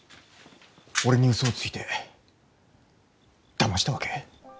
俺にウソをついてだましたわけ？